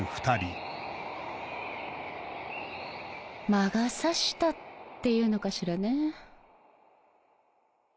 魔が差したっていうのかしらね。